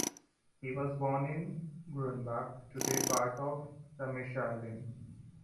He was born in Grunbach, today a part of Remshalden.